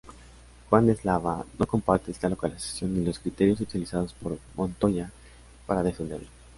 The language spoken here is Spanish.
Juan Eslava no comparte esta localización ni los criterios utilizados por Montoya para defenderla.